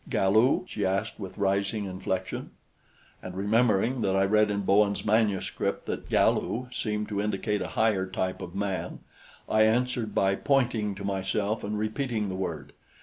"Galu?" she asked with rising inflection. And remembering that I read in Bowen's manuscript that Galu seemed to indicate a higher type of man, I answered by pointing to myself and repeating the word.